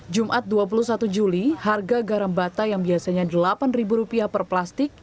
jumat dua puluh satu juli harga garam bata yang biasanya rp delapan per plastik